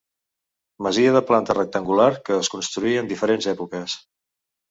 Masia de planta rectangular que es construí en diferents èpoques.